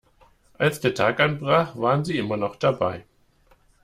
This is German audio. Als der Tag anbrach waren sie immer noch dabei.